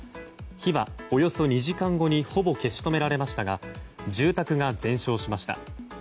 火は、およそ２時間後にほぼ消し止められましたが住宅が全焼しました。